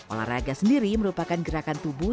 olahraga sendiri merupakan gerakan tubuh